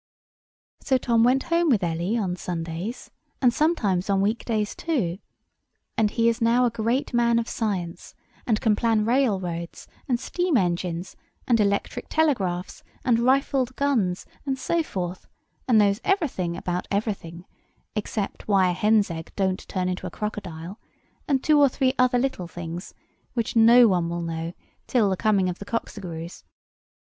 So Tom went home with Ellie on Sundays, and sometimes on week days, too; and he is now a great man of science, and can plan railroads, and steam engines, and electric telegraphs, and rifled guns, and so forth; and knows everything about everything, except why a hen's egg don't turn into a crocodile, and two or three other little things which no one will know till the coming of the Cocqcigrues.